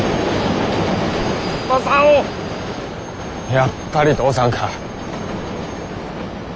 やっぱり父さんか。